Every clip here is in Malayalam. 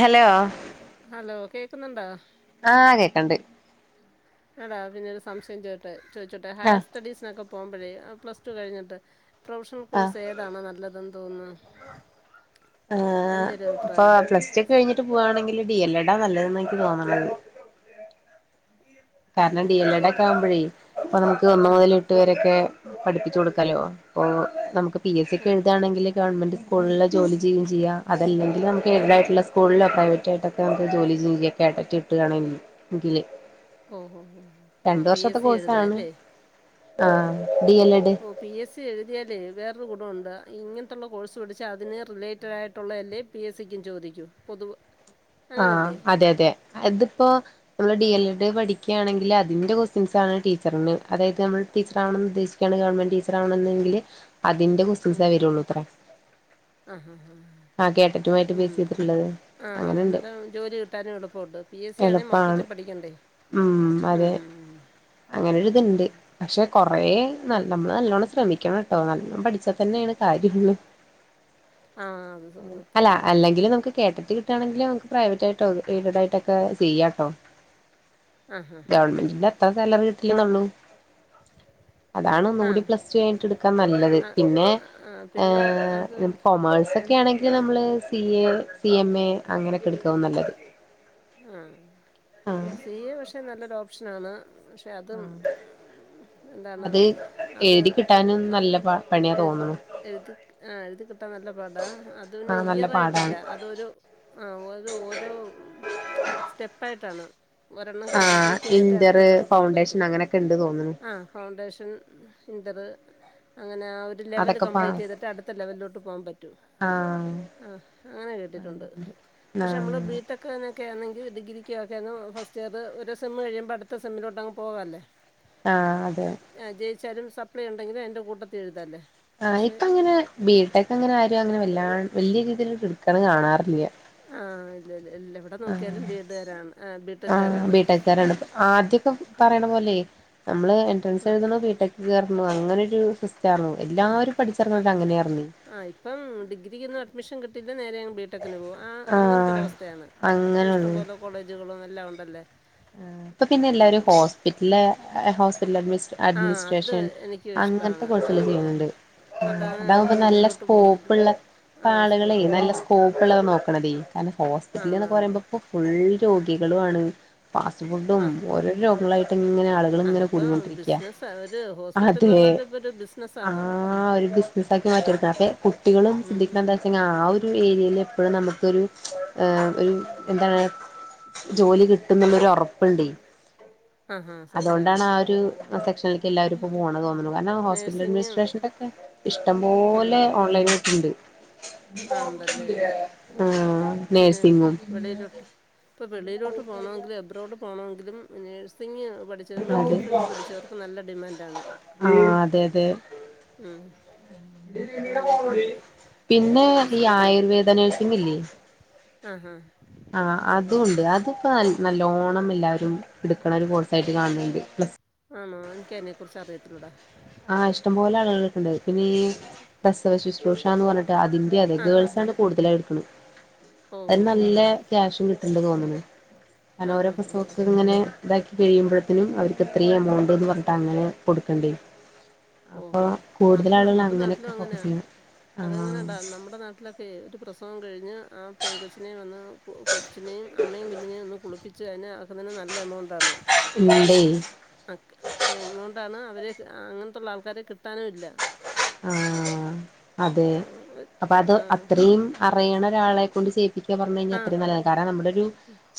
ഹലോ ഹലോ കേക്കുന്നുണ്ടോ ആഹ് കേക്കണ്ട് അടാ പിന്നെരു സംശയം ചോദട്ടെ ചോദിച്ചോട്ട് ഹയർ ആഹ് സ്റ്റഡീസിനൊക്കെ പോകുമ്പോഴേ പ്ലസ് ടു കഴിഞ്ഞിട്ട് പ്രൊഫഷണൽ ആഹ് കോഴ്സ് ഏതാണോ നല്ലതെന്ന് തോന്നുന്നു ആ് എൻ്റെ ഒരു ഇപ്പൊ അഭിപ്രായം പ്ലസ് ഒക്കെ കഴിഞ്ഞിട്ട് പോവുകവാണെങ്കിൽ ഡി എൽ എടാ നല്ലതന്ന് എനിക്ക് തോന്നണത് കാരണം ബി- ഡി എൽ എഡ ഏത് ഒക്കെ ആവുമ്പോഴേ ഇപ്പൊ നമുക്ക് ഒന്നു ആ മുതല ഇട്ട് വരൊക്കെ പഠിപ്പിച്ചു കൊടുക്കാലോ അപ്പൊ നമുക്ക് പി എസ് സി ഓ ഒക്കെ എഴുതയാണെങ്കിൽ ഗവൺമെന്റ് സ്കൂളിൽ ജോലി ചെയ്യുക ചെയ്യ അതല്ലെങ്കിൽ നമുക്ക് ഇുതായിട്ടുള്ള സ്കൂളിലോ പ്രൈവറ്റായിട്ടൊക്കെ നമുക്ക്ോല കേട്ടറ്റ ഇട്ട്ുകണ എങ്കില് ഓഹോ ഓ ആഹ രണ്ട് പി വർഷത്തെ എസ് സി കോഴ്സാണ് എഴുതല്ലേ ആ ആഹ് ഡി എൽ എഡ് ഓ പി എസ് സി എഴുതിയാലേ വേറൊരു കുുടുണ്ട് ഇങ്ങനെയുള്ള കോഴ്സ് പഠിച്ചാ അതിന് റിലേറ്റഡ ആായിട്ടുള്ള എല്ലേ പി എസ് സിക്കും ചോദിക്കും പൊതുവ് ആഹ അതെ അതെ അതിപ്പോ നമ്മള് ഡി എൽ എഡ് പഠ ഒക്കെ ആണെങ്കിൽ അതിന്റെറെക്വസ്റ്റൻസാണ് ടീച്ചറി അതത് നമ്മ ടീറ ആണെന്ന് ഉദ്ദേശിക്ക ഗവൺെന്റ് ടീച്ചറ ആണ അതിന്റെ കുസിസ ഉം. വരുള്ളൂത്ര ആഹ് ആഹ് അങ്ങനെണ്ട് അന്നേരം ജോലി കിട്ടാനും എളപ്പുണ്ട് പി എസ് സി ആ മൊ എളുപ്പാണ് പഠിക്കണ്ടേ ഉം അതെ അങ്ങനെ ഒരു ഉം ഇതുണ്ട് ഉം പക്ഷെ കൊറ ന ആഹ് നമ്മള് നല്ലോണം ശക്ഷമിക്കണം കേട്ടോ നല്ലഞൻ പഠിച്ചാൽ തന്നെയാണ് കാര്യള്ള ആഹ് അത് സ- അല്ല സത്യമാണ് അല്ലെങ്കിൽ നമുക്ക് കേട്ടിട്ട് കി ആണെങ്കിൽ നമക്ക് പ്രൈവറ്റ് ആയിട്ടോ എയ്ഡ ആട്ടൊക്കെ ചെയ്യാട്ടോ ആഹ ഹഹ് ആഹ ല്ല വീട്ടന്നള്ളു അതാണ് ഒന്നുകൂടി ആഹ് പ്ലസ് ടു ആയിട്ട് എടുക്കാൻ നല്ലത് ആഹ് പിന്നെ ആഹ് പിന്നെ അത് കൊമേഴ്സ്ക്കെ ക്ക ആണെങ്കിൽ നമ്മള് C A C M A അങ്ങനെൊക്കെ എടുക്ക ആ ആഹ് സി എ പക്ഷെ നല്ലൊരു ഓപ്ഷന ആണ് പക്ഷെ അതും ആഹ് എന്താണ് അത് അത് എഴുതി കിട്ടാനും മ- നല്ല പ പണിയാ എഴു തോന്നുന്നു എഴുതി ആ എഴുതി കിട്ടാൻ നല്ല പാടാ അത് പിന്നെ ആഹ് നല്ല ഇയർ ആയിട്ടല്ല പാടാണ് അതൊരു ആ അത് ഓരോ സ്റ്റെപ്പായിട്ടാണ് ഒരെണ്ണം ആ കംപ്ലീറ്റ് ഇന്റർ ഫൗണ്ടേഷൻ അങ്ങനെയൊക്കെ ഉണ്ട് തോന്നുണു ആ ഫൗണ്ടേഷൻ ഇന്റർ അങ്ങനെ ആ ഒരു ലെവല് അതൊക്കെ കംപ്ലീറ്റ് പാസ് ചെയ്തിട്ട് അടുത്ത ലെവലിലോട്ട് പോകാൻ പറ്റും ആഹ് ആ അങ്ങനെ ക കേട്ടിട്ടൊണ്ട് പക്ഷെ നമ്മള് ആഹ് ബീറ്റൊക്കെക്കെെ ഡിഗ്രിക്കക്ക്ക്കെ ഫസ്റ്റ് ഇയർ ഒരു സെം കഴിയുമ്പോ അടുത്ത സെമ്മിലോട്ട് ക്ക് പോവല്ലേ ആ അതെ സപ്ലൈ ഉണ്ടെങ്കിൽ അതിന്റെ കൂട്ടത്തി എഴുതല്ലേ ആ ഇപ്പ അങ്ങനെ ബിടെക് അങ്ങനെ ആരും അങ്ങനെ വല്ലാ വല്യയ രീതിയിൽ എടുക്ക കാണാറില്ല ആ ഇല്ല ല്ലേ ആ ആ ബിടെക്കുകാരാണ് ബീടെക്ക്ക്കാരാണ് ആദ്യൊക്കെ പറയണ പോലെ നമ്മള് എൻട്രൻസ് ആഹ് എഴുതണോ ബീടെക്ക്കയറോ അങ്ങനെരു ആ ആ ആ ഇപ്പം ഡിഗ്രിക്ക്കൊന്നും അഡ്മിഷൻ കിട്ട- അ നേരയങ്ങ് ബിടെക്കിന് പോകും ആ ആഹ് അങ്ങനത്തെരവസ്ഥയാണ് ഇപ്പോൾ ഇഷ്ടം അങ്ങനെയുള്ളൂ പോലെ കോളേജുകളും എല്ലാം ഉണ്ടല്ലേ ആ ഇപ്പ ഉം പിന്നെല്ലാരും ഹോസ്പിറ്റല് അല്ല ഹോസ്റ്റ ഹോസ്പിറ്റൽ ആ അത് അഡ്മിനിസ്ട്രേഷൻ എനിക്കും അങ്ങനത്തെ ഇഷ്ടമാണ് ആ കോഴ്സുകൾ ഹോ ചെയ്യുന്നുണ്ട് ഉം അതാണ് ഇതാകുമ്പ നമുക്ക് നല്ല വെളിയിലോട്ട് സ്കോപ്പ് പോണേലും ഉള്ള ആ ആളുകളേ സ്കോപ്പുണ്ട് നല്ല സ്കോപ്പ്ള്ളത് നോക്ക അതെ ഹോസ്പിറ്റൽ എന്ന് ആണാണ് പറയുമ്പോ ഇപ്പൊ ഫുൾ രോഗികളും ആണ് ഫാസ്റ്റ് ഫുഡും ഓരോ രോഗങ്ങളായിട്ടും ഇങ്ങന അതിപ്പോ ബിസിന ഒരു ഹോസ്പിറ്റലന്ന് അതെ പറഞ്ഞാല് ഇപ്പൊ ഒരു ബിസിനസ് ആണ് മാറ്റടുത്തെ അപ്പെ കുട്ടികളും ശ്രദ്ധിക്കണ എന്താ വെച്ചൊ ആ ഒരു ഏരിയയില് ഇപ്പോഴ നമുക്കൊരു ഒരു എന്താണ് ജോലി കിട്ടും കിട്ടൊനൊള്ളരു ഉറപ്പുണ്ട് ആ ഹാ സത്യമാണ് അതുകൊണ്ടാണ് ആ ഒരു സെക്ഷനിലേക്ക് എല്ലാവും ഇപ്പോ പോണ തോന്നുന്നത് കാരണം ഹോസ്പിറ്റൽ നേഴ്സിങ് അഡ്മിനിസ്ട്രേഷനൊക്കെ ഇഷ്ടംപോലെ ഓൺലൈനിൽ ഉണ്ട് ആ ഉണ്ടല്ലേ ആ പിന്നെ നേഴ്സിങ്ങും വെളിയിലോട്ട് ഇപ്പ വെളിയിലോട്ട് പോകണമെങ്കിൽ അബ്രോഡ് പോണമെങ്കിലും നേഴ്സിംഗങ് പഠിച്ച അതെ മെഡിക്കൽ ഫീൽഡ് പഠിച്ചവർക്ക നല്ല ഡിമാൻ്ണ് ആ അതെ അതെ ഉം അങ്ങനെയൊക്കെ ഉണ്ട് പിന്നെ ഈ ആയുർവേദ നഴ്സിംഗ് ഇല്ലേ ആ ആ ആ അതും ഉണ്ട് അതിപ്പോ നല്ലോണം എല്ലാവരും എടുക്കണ ഒരു കോഴ്സ് ആയിട്ട് കാണുന്നുണ്ട് പ്ലസ്സ് ആണോ എനക്ക് അതിനെ കുറിച്ച് അറിയത്തില്ലടാ ആഹ് ഇഷ്ടം പോലെ ആളുകൾക്കുണ്ട് പിന്നെ ഈ പ്രസവ ശുശ്രൂഷ എന്ന് പറഞ്ഞിട്ട് അതിന്റെ അതെ ആഹാ ഗേൾസ് ഹാ ആണ് കൂടുതലായി എടുക്കണെ ഓ അ ഹോ നല്ല ഹോ ക്യാഷും കിട്ടുണ്ട് തോന്നുന്നു ഓരോ ആഹാ ഹാ ഹാ പ്രസവത്തിന് ഇങ്ങനെ ഇതാക്കി കഴിയുമ്പോത്തെനും അവർക്ക് ഇത്രയും എമൗണ്ട് എന്ന് പറഞ്ഞിട്ട് അങ്ങനെ കൊടുക്കണ്ടേ അപ്പൊ ഓഹോ കൂടുതൽ ആളുകൾ അങ്ങനൊക്കെ ഫോക്കസ് ചെയ്യണം ആഹ് അതങ്ങനെയണ്ടാ നമ്മുടെ നാട്ടിലൊക്കെ ഒരു പ്രസവം കഴിഞ്ഞ് ആ പെൺ കൊച്ചിനെയെ വന്ന് കൊച്ചിനെയും അമ്മയും കുഞ്ഞിനെയും ഒന്ന് കുളിപ്പിച്ചു ച്ച്കഴിഞ്ഞ ആക്കുന്നതിന് നല്ല എമൗണ്ടാണ് ഉണ്ടേ എമൗണ്ടാണ് അവര് അങ്ങനത്തുള്ള ആൾക്കാരെ കിട്ടാനുമില്ല ആ അതെ ആ അപ്പൊ അത് ആ അത്രയും അറിയണ ഒരാളെ കൊണ്ട് ചെയ്യിപ്പിക്കുക പറഞ്ഞ് കഴിഞ്ഞാൽ ആ അത്രയും നല്ലതാ കാരണം നമ്മുടെ ഒരു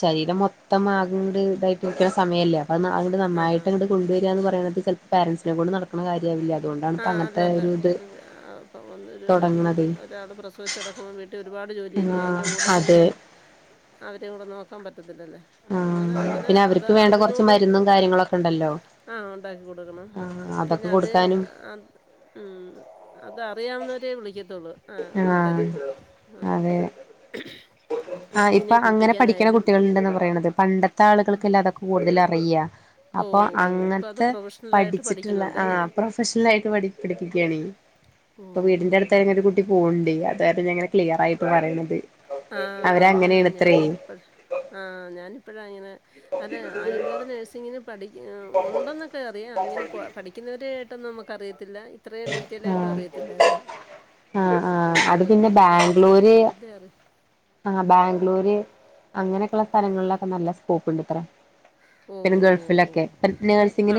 ശരീരം മൊത്തെമൊരു മൊത്തം ആ ഇതട്ട് ഇരിക്കണ സമയമല്ലേ അപ്പൊ അ നന്നായിട്ട് ആഹാ അങ്ങട്ട് കൊണ്ടുവരികയന്ന് പറയ പേൻറ്സിനെ കൊണ്ട് നടക്കണ കാര്യമാവില്ല അുകൊണ്ടാണ് ഇപ്പോ ആഹ് അങ്ങനത്തെ അല്ലല്ല ഒരു ഇത് അപ്പ തുടങ്ങണതേ ഒരാൾ പ്രസവിച്ച് കിടക്കുമ്പോൾ വീട്ടിൽ ഒരുപാട് ഒരുപാട് ജോലി ഇല്ല ആഹ് അതിന്റെ കൂടെ പിന്നെ അതെ അവരകൂടെ നോക്കാൻ പറ്റ ആ പിന്നെ അവർക്ക് വേണ്ട കുറച്ച് മരുന്നും കാര്യങ്ങളൊക്കെ ഉണ്ടല്ലോ ആ ഉണ്ടാക്കി കൊടുക്കണം ആഹ് പിന്നെ അതൊക്കെ അത് കൊടുക്കാനും അത് ഉംഅത്അറിയാവുന്നവരേ വിളിക്കത്തുള്ളൂ ആ നമ്മൾ ആഹ് തിരക്കും ആ അതെ ആ ഇപ്പൊ അങ്ങനെ പഠിക്കണ കുട്ടികൾ ഇണ്ടന്ന് പറയണത് പണ്ടത്തെ ആളുകൾക്കല്ലാം അതൊക്കെ കൂടുതൽ അറിയ ഓ അപ്പൊ ഓ ഇപ്പം അത് അങ്ങനത്തെ പ്രൊഫഷണലായിട്ട് പഠിച്ചിട്ടുള്ള ആ പഠിക്കുന്നുണ്ടല്ലേ പ്രൊഫഷണൽ ആയിട്ട് പഠി പഠിക്കുകയാണെ ഓ ഇപ്പൊ ഓ വീടിന്റെ ഓ. അടുത്ത് ഒരു കുട്ടി പോണുണ്ടേ അതാ പിന്നെ ഇങ്ങനെ ക്ലിയർ ആയിട്ട് പറയണത് ആഹ് അത് അവരങ്ങനെയാണത്രേ ഞാനത് പ ആഹ് ഞാനിപ്പഴാ അങ്ങനെ അത് ആയുർവേദ നഴ്സിങ്ങിന് പഠി ഒണ്ടെന്നൊക്കെ അറിയ ഇങ്ങനെ പ പഠിക്കുന്നോര് [unintelligible] നമ്മുക്കറിയത്തില്ല ഇത്രേം ഡീറ്റേൽ ആ ആയിട്ടും അറിയത്തില്ലാരുന്ന് ആ ആ നമ്മള് അത് പിന്നെ ഓരോരുത്തരോടെ സംസാരിക്കുമ്പോഴല്ലേ അറി ആഹ് ആഹ് ബാംഗ്ലൂര് അങ്ങനെക്കെള്ള സ്ഥലങ്ങളിലക്ക നല്ല സ്കോപ്പ് ഉണ്ട്ത്രേ പിന്നെ ഓഹ് ഓഹ് ഓഹ് ഗൾഫിലൊക്കെ ഇപ്പം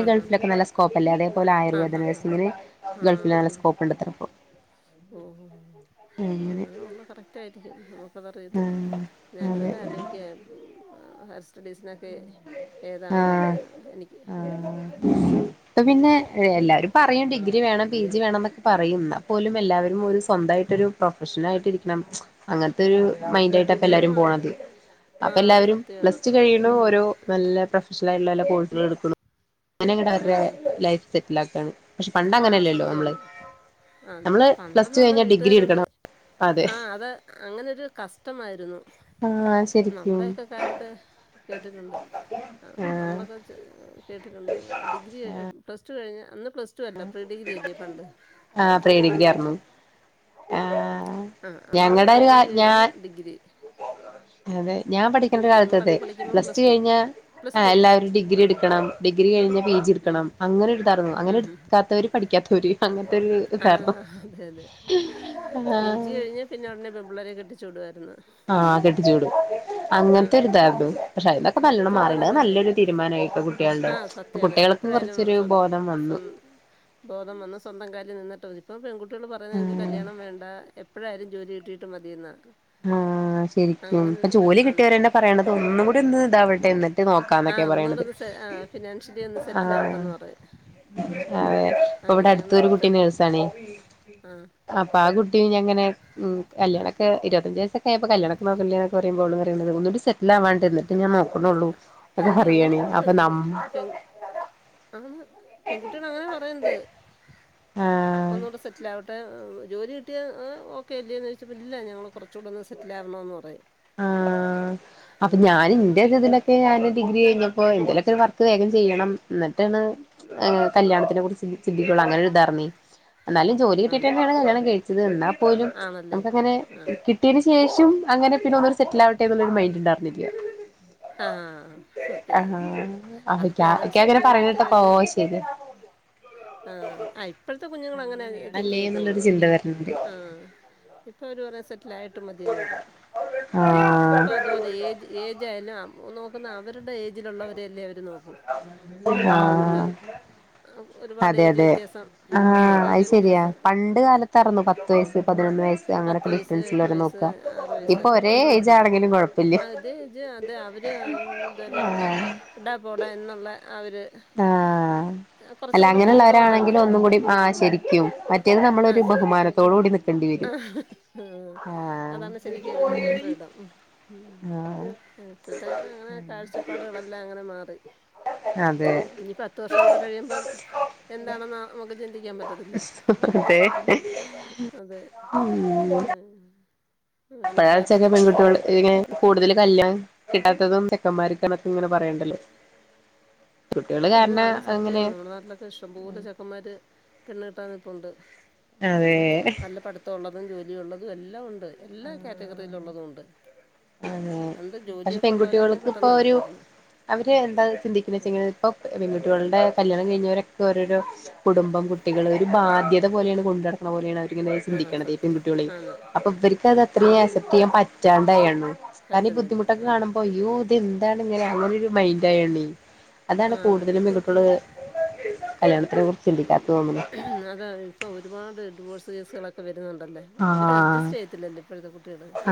ഓഹ് ആഹാ ഗൾഫിലൊക്കെ നല്ല സ്കോപ്പ് അല്ലേ അതേപോലെ ആയുർവേദ ആഹാ ഹാ നഴ്സിങ്ങിന് ഗൾഫില് നല്ല സ്കോപ്പ് ഉണ്ട് അത്രേ ഇപ്പൊ ഓഹോ അങ്ങനെ ഉള്ള കറക്റ്റ് ആയിരിക്കും അത് അറിയത്തില്ല ആഹ് ഞാൻ അതെ [unintelligible] ആലോചിക്കുവാ ഹയർ സ്റ്റഡീസിന് ഒക്കെ ഏതാണ് ആഹ് നല്ലെന്ന് എനിക്ക് ആഹ് അയിന് ഡിഗ്രി വേണം പി ജി വേണംന്നൊക്കെ പറയും ന്നാ പോലും എല്ലാവരും ഒരു സ്വന്തായിട്ടൊരു പ്രൊഫഷനായിട്ട് ഇരിക്കണം അങ്ങനത്തെരു മൈൻഡ് ആയിട്ട് അപ്പ ആ എല്ലാരും അത് പോണത് ആ അപ്പ എല്ലാവരും സത്യമാണ് പ്ലസ് ടു കഴിയണ ഉം. ഓരോ പ്രൊഫഷലായുള്ള എല്ലാ കോഴ്സുകൾ എടുക്കുള്ളു ഉം, ഉം. [unintelligible] ലൈഫ് സെറ്റിൽ ആക്കാണ് പക്ഷെ പണ്ട് അങ്ങനല്ലല്ലോ നമ്മള് ആ നമ്മള് പ്ലസ് പണ്ടെന്ന് ടു പറഞ്ഞാ കഴിഞ്ഞാൽ ഡിഗ്രി വീട്ടുകാര് കൊണ്ട് എടുക്കണം അതെ ആ അത് അങ്ങനൊരു കസ്റ്റമായിരുന്നു ആഹ് ശരിക്കും നമ്മുടേക്ക കാലത്ത് കേട്ടിട്ടുണ്ട് ആഹ് നമ്മളൊക്കെ ചെ കേട്ടിട്ടുണ്ട് ഡിഗ്രി പ്ലസ്ടു കഴിഞ്ഞ അന്ന് പ്ലസ് - സ് ടു അല്ല പ്രീ ഡിഗ്രി അല്ലേ പണ്ട് ആഹ് പ്രീ ഡിഗ്രി പണ്ടൊക്കെ ആർന്നു ആഹ് ആ അന്ന് ഞങ്ങടെ പ്രീ ഒരു ഡിഗ്രി കഴിഞ്ഞാ ഞാൻ ഡിഗ്രി അതെ ഞാൻ പഠിക്കണ്ട കാലത്തതേ പ്ലസ് ടു കഴിഞ്ഞാ പ്ലസ് ആ ടു എല്ലാവരും ഡിഗ്രി ആഹ് എടുക്കണം ഡിഗ്രി കഴിഞ്ഞ പി ജി എടുക്കണം അങ്ങനൊരു ഇതാരുന്നു അങ്ങനെ എടു ക്കാത്തവര് പഠിക്കാത്തോര് അങ്ങനത്തൊരു ഇതാരുന്നു ആഹ് അതെ അതെ ആഹ് മുന്നേ പെമ്പുള്ളരെ കെട്ടിച്ച് വിടുവാരുന്നു ആഹ് കെട്ടിച്ചു വിടും അങ്ങനെത്തെ ആഹ് ഒരു ഇതാരുന്നു ഇപ്പൊ പക്ഷെ അതിന്നൊക്കെ ആഹ് ഇപ്പൊ നല്ലോണം മാറീണ്ട് അത് അങ്ങനെയല്ലല്ലേ നല്ലൊരു തീരുമാനായിട്ട് പ്പൊ കുട്ടികളുടെ ഇപ്പ കുട്ടികൾ എപ്പഴായാലും സ്വ സ്വ ബോധം വന്ന് സ്വന്തം കാലിൽ നിന്നിട്ട് മതി ഇപ്പൊ പെൺകുട്ടികള് പറയുന്നെ ഞങ്ങക്ക് ഉം കല്യാണം വേണ്ട എപ്പഴായാലും ജോലി കിട്ടീട്ട് മതിയെന്നാ ആഹ് ആഹ് ശരിക്കും ഇപ്പ ജോലി ആണ് കിട്ടിയവര് തന്നെ പറയണത് ഒന്നും കൂടി ഒന്ന് ഇതാവട്ടെ എന്നിട്ട് നോക്കാന്നൊക്കെയാ പറയണത് ആ ഫിനാൻഷ്യലി ഒന്ന് സെറ്റിൽ ആവട്ടെന്ന് പറയും ഇപ്പ ഇവിട അടുത്ത് അങ്ങനെയാണ് ഒരു കുട്ടി ഇപ്പോഴത്തെ നഴ്‌സ്‌ ആണെ ആഹ് അപ്പ ആ കുട്ടി ഞാൻ ഇങ്ങനെ കല്യാണൊക്കെ ഇര [unintelligible] വയസൊക്കെ ആയപ്പോ കല്യാണോക്കെ നോക്കാണില്ലേന്ന്‌ ഒക്ക പറയുമ്പോൾ അവള് പറയണത് [unintelligible] സെറ്റിൽ ആവ [unintelligible] എന്നിട്ട് ഞാൻ നോ ണുള്ളൂ എന്ന് അയ്യോ അങ്ങനെ പറയാണി ഇപ്പം പെ അപ്പൊ ന പെ- പെൺ ആണ് പെൺകുട്ടികൾ അങ്ങനെ പറയണത് ആഹ് ഒന്നൂടെ സെറ്റിൽ ആവ വട്ടെ. ജോലി കിട്ടിയാ ഓക്കെ ഇല്ലേന്ന് ചോദിച്ചപ്പ ഇല്ല ഞങ്ങള് കൊറച്ചുടൊന്ന് സെറ്റിൽ ആവണോന്ന് പറയും ആഹ് അതാണ് ഞാന് ഡിഗ്രി കഴിഞ്ഞപ്പോ എന്തേലും ഒക്കെ ഒരു വർക്ക് വേഗം ചെയ്യണം എന്നിട്ടാണ് കല്യാണത്തിനെ കുറിച്ച് ചിന്തിക്കുള്ളൂ അങ്ങനെ ഒരു ഇതാർന്നേ എന്നാലും ജോലി ആ കിട്ടീട്ട് തന്നെയാണ് കല്യാണം കഴിച്ചത് എന്നാപോലും ആണല്ലേ നമുക്ക് അങ്ങനെ ആ കി അതിന് ശേഷം അങ്ങനെ പിന്നെ ഒന്നൂടെ സെറ്റിൽ ആവട്ടെ എന്നൊന്നും ഒരു മൈൻഡ് ഉണ്ടാരുന്നില്ല ആഹ് ആഹ് [unintelligible] പേരൻസിന് അങ്ങനെ ജോലി പറയണ കേട്ടപ്പോ ഓഹ് ശരി- ആഹ് ആ ഇപ്പഴത്തെ കുഞ്ഞുങ്ങള് അങ്ങനെ തിങ്ക് വേണല്ലേ ചെയ്യത്തൊള്ള് എന്നുള്ളൊരു ചിന്ത വരുന്നുണ്ട് ആഹ് ഇപ്പവര് [unintelligible] റ്റ്ലായിട്ട് മത്യേന്ന് പറയും എഹ് ആഹ് ഇപ്പത്പോലെ ഏജ് ഏജായാലും അ നോക്കുന്നെ അവരുടെ ഏജിലുള്ളവരെല്ലേ അവ ആഹ് അതെ പാടെജ് അതെ വ്യത്യാസം ആ ആഹ് ഏജ് അത് ശെര്യാ വ്യത്യാസം പണ്ട് കാലത്താർന്നു പത്ത് വയസ്സ് പതിനൊന്ന് വയസ്സ് അങ്ങനെക്കെ ഡിഫ്റെൻസ് ലാര്ന്നു പ്പ ആഹ് ആറ് വയസൊക്കെ ഇപ്പം കൊഴപ്പില്ല അത് ജ അതെ അവര് ൻ ത്വല്ല. എടാ പോട എന്ന്ള്ള ആ ഒര് ആഹ് ആഹ് അല്ല അങ്ങനുള്ളവരാണെങ്കിലും ഒന്നും കൂടി ആ ശെരിക്കും മറ്റേത് ആ നമ്മളൊരു ശരിക്ക് ബഹുമാനത്തോട് കൂടി നിക്കേണ്ടി വരും. ആ ആഹ് അതാണ് ശെരിക്കൊരു ഫ്രീഡം ഉം ആഹ് ആഹ് ഇപ്പഴ്ത്ത ആഹ് അങ്ങനെ കാഴ്ചപ്പാടുകളെല്ലാം അങ്ങനെ മാ റി അതെ ഇനി പത്ത് വർഷം കൂടി കഴിയുമ്പം എന്താണ് മാ [unintelligible] ചിന്തിക്കാൻ പറ്റത്തില്ല. തെ അതെ ഉം ഏഹ് അങ്ങനെ ഹയർ പ്പഴാച്ചന്ന സ്റ്റഡീസ് പെൺകുട്ട്യേള് ഇങ്ങനെ കൂടുതല് കല്യാണം കിട്ടാത്തതും ചെക്കന്മാര്ക്കാന്നാ [unintelligible] ഇങ്ങനെ പറയണ്ടല്ലേ. [unintelligible] ആന്ന് സത്യാണ് നമ്മടെ നാട്ടിലൊക്കെ ഇഷ്ടം മ്പോലെ ചെക്കമ്മാര് പെണ്ണ കെട്ടാൻ നിപ്പുണ്ട്. ഉം അതെ നല്ല പഠിത്തൊള്ളതും ജോലിള്ളതും എല്ലാം ഉണ്ട് എല്ലാ കാറ്റഗറിലുള്ളതുണ്ട്. അതെ പക്ഷെ ഉള്ളവരാന്നേ പെൺകുട്ട്യേൾക്ക് പെട്ടെന്ന് പ്പൊര് നടക്കുമായിരുന്നു അവര് എന്താ ചിന്തിക്കുന്ന ച്ചെങ്കില് പത്ത് [unintelligible] കൊണ്ടാ കല്യാണം കഴിഞ്ഞവരൊക്കെ ഓരോരോ കുടുംബം കുട്ടികള് ഒരു ബാധ്യത പോലെണ് കൊണ്ടട്ക്ക്ണെ പോലെന്നത്. ഇങ്ങനെ ആ ചിന്തിക്കണതെ സത്യം പെൺകുട്ട്യാളെ ആന്ന് അപ്പൊ ആ ഇവര്ക്കതാ അത്രയും അവരും ആസെപ്റ്റെയ്യൻ പറ്റാണ്ടാ [unintelligible] കാരണം ഈ പറ്റുന്നില്ല ബുദ്ധിമുട്ടൊക്കെ ആ കാണുമ്പോ അയ്യോ ഇതെന്താണ് ഇങ്ങനെ അങ്ങനൊരു മൈൻ്റായോണീ അതാണ് കൂടുതലും പെൺകുട്ട്യള് അതെ അതെ ഇപ്പൊ ഒരുപാട് ഡിവോഴ്സ് കേസ്ളൊക്കെ വെര്ന്ന്ണ്ടല്ലേ, അവര് ആഹ് അഡ്ജസ്റ്റ് ചെയ്യത്തില്ലല്ലേ ഇപ്പഴത്തെ കു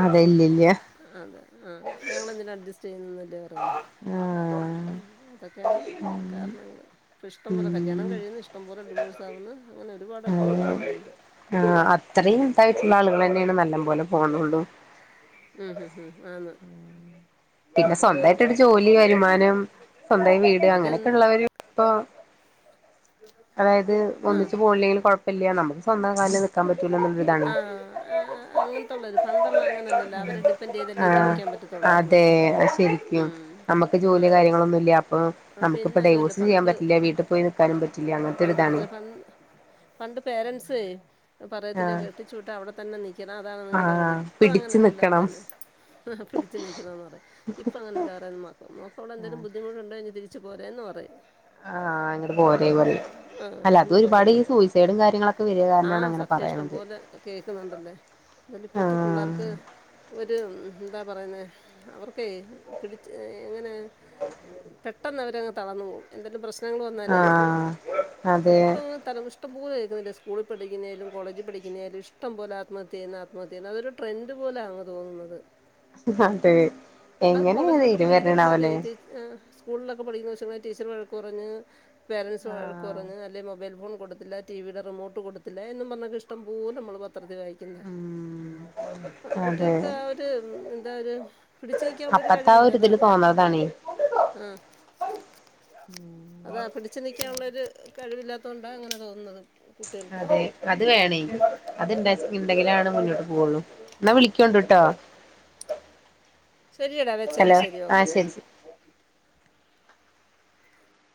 അതെ ഇല്ല ഇല്ല ആ ഞങ്ങെളെന്തിനാ അഡ്ജസ്റ്റ് ചെയ്യുന്നെതെറിയ ആഹ് [inaudible] ഒക്കെയാണ് കാരണങ്ങള്. ഇപ്പ ഇഷ്ടംപോലെ കല്ല്യാണം ഉം കഴിയിന്ന് ഇഷ്ടം പോലെ ഡിവോഴ്സ് ആവ്ന്ന് അങ്ങനെ ഒരുപാട് നമ്മൾ ആഹ് കാണുന്നുണ്ട് ആഹ് അത്രേം ഇതായിട്ട്ള്ള ആള്കളെന്നെയാണ് ന നല്ലം പോലെ പോണൊള്ളൂ. മ് ഹ് ഹ് ആന്ന് പിന്നെ അത്രയും സ്വന്തായിട്ടൊരു ജോലി വരുമാനം സ്വന്തായി വീട് അതെ അങ്ങനെക്കെ ഇള്ളവര് ഇപ്പൊ അതായത് ആ ഒന്നിച്ച് പോണ്ല്ലെങ്കിലു കൊഴപ്പില്ല നമ്മക്ക് ഇപ്പ ഒന്നാം കാലില് നിക്കാൻ പ ആഹ് ആഹ് ആഹ് അങ്ങൻത്തൊള്ളോര് പണ്ടെള്ള അങ്ങനെയലല്ലാ അവരെ ഡിപെന്റയ്തല്ലേ ജവിക്കാൻ പറ്റത്തൊള്ളായിരുന്നു. ഏഹ് ശെരിക്കും നമ്മക്ക് ജോലി കാര്യങ്ങളൊന്നുല്ല അപ്പ ആ, നമുക്കിപ്പ പിന്നെ അതുമല്ല ഡൈവോഴ്സും ചെയ്യാൻ പണ്ട് പറ്റില്ല വീട്ട് പോ പോയി നിക്കാനും പറ്റില്ല ആ അങ്ങൻതൊരു ഇതാണ്. പറ്റത്തില്ല പണ്ട് പണ്ട് പേരന്റ്സ് പറയത്തില്ല ആഹ് കെ ട്ടിച്ചൂട്ട അവിടെത്തന്നെ നിക്കണം. അതാണ് നിങ്ങൾടെ വീട്. ആഹ് ഇപ്പഴ അങ്ങനെ പിടിച്ചു അല്ലല്ലോ നിക്കണം പറയുന്നേ ഇഹ് ഇഹ് പിടിച്ച് നിക്കണെന്ന്. അതെ, ഇപ്പ അങ്ങനെല്ലാ പറയുന്നെ മാത്രം മോക്ക അവിടെ എന്തേലും ബുദ്ധിമുട്ട് ഇണ്ടേ ഇങ്ങ് തിരിച്ച് പോരെ എന്ന് പറയ്ണ്. ആഹ് ഇങ്ങട്ട് പോരെ പറയും. ആ അല്ല അത് ഇനി ഒരുപാട് പോരെന്ന് ഈ പറയും സൂസൈഡും കാര്യങ്ങളൊക്കെ വരിക ആ കാരനാണ് അങ്ങനെ സത്യം ഇഷ്ടം പറയണത്. പോലെ കേൾക്കുന്നുണ്ടല്ലേ എന്നൽ ഇപ്പോഴത്തെ പിള്ളേർക്ക് ആഹ് ഒരു എന്താ പറയുന്നത് അവർക്ക് പിടിച്ച് എങ്ങനെ പെട്ടെന്ന് ത പോ എന്തെും പ്രശ്നങ്ങൾ വന്നാല ആഹ് അതെ ഇ ത ഇഷ്ടം പോലെ കേക്കുന്നില്ല സ്കൂൾ പഠിക്കുന്നാലും കോളജ് പഠിക്കുന്നതിാലും ഇഷ്ടം പോലെ ആത്മഹത്യ ചെയ്യ ആമഹത്യ ചെയുന്ന അതൊരുട്രൻഡ് പോലാണ്ങ് തോന്നുന്നത് അതെ അത് എങ്ങനെഏ കോളേജിലൊക്കെ ഇരു പഠിക്കുന്ന പിള്ളേർ വരണാവലെ സ്കൂളിലൊക്കെ പഠിക്കുമ്പോ ടീച്ചർ വഴക്ക കുറഞ്ഞ പേരൻസ് വഴക്ക് ആഹ് കുഞ് അല്ലെങ്ക മൊബൈൽ ഫോൺ കൊടുത്തില്ല ടിവിയുടെ റിമോട്ട് കൊടുത്തില്ല എന്നന്ന് പറഞ്ഞ ഇഷ്ടം പോലെ നമ്മൾ പത്രത്തി വായിക്കുന്നെ ഉം ആ അതെ കുട്ടികൾക്ക് ആ ഒരു എന്താ ഒരു പിടിച്ചുനിക്കാനുള്ളൊരു അപ്പത്തെ ആ കഴിവില്ല ഒരു അതാ ഇതില് തോന്നണതാണേ ഉം അതാ പിടിച്ചു നിക്കാനുള്ള ഒരു കഴിവില്ലാത്ത കൊണ്ടാ അങ്ങനെ തോന്നുന്നത് കുട്ടികൾക്ക് അതെ അത് വേണേ അതിണ്ടെ ഇണ്ടെങ്കിലാണ് മുന്നോട്ട് പോവൊള്ളൂ എന്നാ വിളിക്കോണ്ടിട്ടോ ശരിയടാ വെച്ചേരെ ഹലോ ആ ഓക്കെ ശരി ശരി